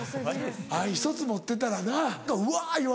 １つ持ってたらなうわ！